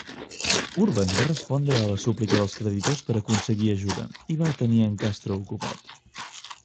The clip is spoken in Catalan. Urban va respondre a la súplica dels creditors per aconseguir ajuda i va tenir a Castro ocupat.